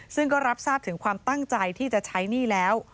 ซึ่งก็รับทราบถึงความตั้งใจที่จะใช้หนี้แล้ว